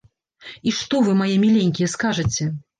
І што вы, мае міленькія, скажаце?